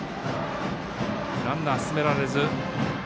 ランナー、進められず。